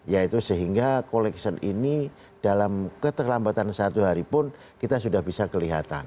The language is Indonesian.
yaitu sehingga collection ini dalam keterlambatan satu hari pun kita sudah bisa kelihatan